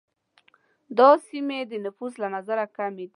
دا سیمې د نفوس له نظره کمي دي.